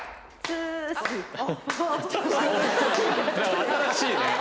新しいね。